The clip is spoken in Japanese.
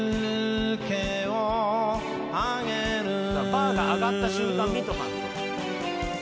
バーが上がった瞬間見とかんと。